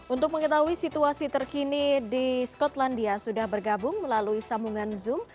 untuk mengetahui situasi terkini di skotlandia sudah bergabung melalui sambungan zoom